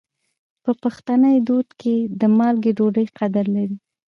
په پښتني دود کې د مالګې ډوډۍ قدر لري.